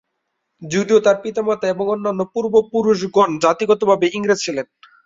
যদিও তার পিতা-মাতা এবং অন্যান্য পূর্ব-পুরুষগণ জাতিগতভাবে ইংরেজ ছিলেন।